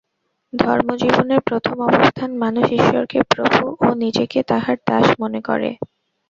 ধর্মজীবনের প্রথম অবস্থায় মানুষ ঈশ্বরকে প্রভু ও নিজেকে তাঁহার দাস মনে করে।